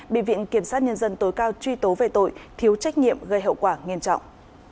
bị viện kiểm sát nhân dân tối cao truy tố về tội thiếu trách nhiệm gây hậu quả nghiêm trọng